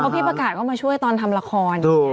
พี่ประกาศก็มาช่วยตอนทำละคร